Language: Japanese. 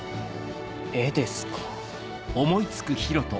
絵ですか。